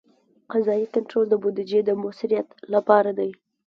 قضایي کنټرول د بودیجې د مؤثریت لپاره دی.